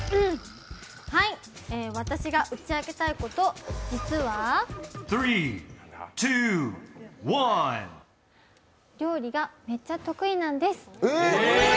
私が打ち明けたいこと、実は料理がめっちゃ得意なんです。